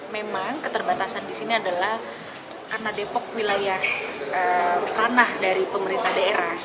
memang keterbatasan di sini adalah karena depok wilayah ranah dari pemerintah daerah